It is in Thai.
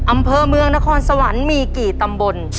อำเภอเมืองนครสวรรค์มีกี่ตำบล